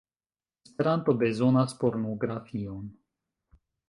Esperanto bezonas pornografion